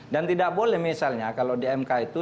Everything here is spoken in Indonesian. dan tidak boleh misalnya kalau di mk itu